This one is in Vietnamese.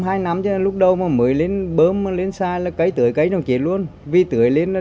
hai năm chứ lúc đầu mà mới lên bơm mới lên bơm mới lên bơm mới lên bơm mới lên bơm mới lên bơm